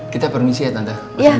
kita permisi ya tante